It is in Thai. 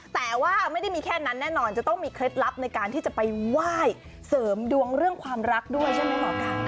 แต่ว่าไม่ได้มีแค่นั้นแน่นอนจะต้องมีเคล็ดลับในการที่จะไปไหว้เสริมดวงเรื่องความรักด้วยใช่ไหมหมอไก่